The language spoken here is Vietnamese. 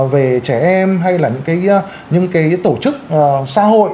về trẻ em hay là những cái tổ chức xã hội